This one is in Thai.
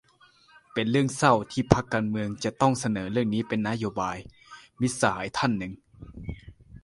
เป็นเรื่องเศร้าที่พรรคการเมืองจะต้องเสนอเรื่องนี้เป็นนโยบาย - มิตรสหายท่านหนึ่ง